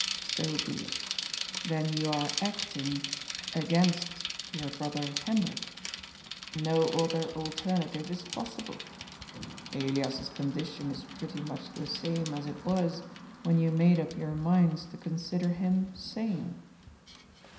So be it Then you are acting against your brother Hendrik. No other alternative is possible. Elias's condition is pretty much the same as it was when you made up your minds to consider him sane."